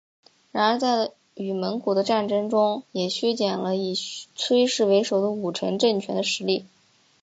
然而在与蒙古的战争中也削弱了以崔氏为首的武臣政权的实力。